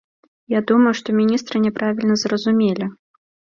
Я думаю, што міністра няправільна зразумелі.